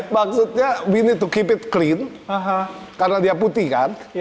maksudnya we need to keep it clean karena dia putih kan